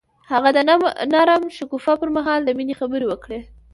هغه د نرم شګوفه پر مهال د مینې خبرې وکړې.